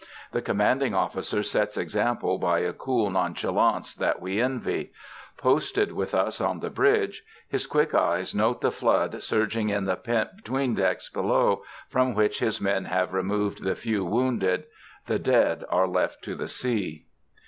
The commanding officer sets example by a cool nonchalance that we envy. Posted with us on the bridge, his quick eyes note the flood surging in the pent 'tween decks below, from which his men have removed the few wounded. The dead are left to the sea.